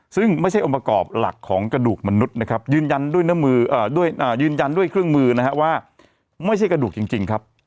ซึ่งไม่ใช่องค์ประกอบหลักของกระดูกมนุษย์ยืนยันด้วยเครื่องมือว่าไม่ใช่กระดูกจริง